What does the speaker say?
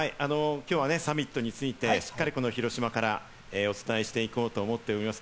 今日はサミットについて、しっかりこの広島からお伝えしていこうと思っております。